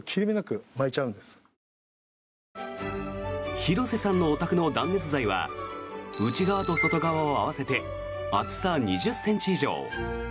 広瀬さんのお宅の断熱材は内側と外側を合わせて厚さ２０ｃｍ以上。